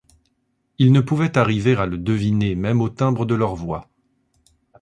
Il ne pouvait arriver à le deviner, même au timbre de leurs voix.